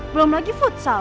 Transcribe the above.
belum lagi futsal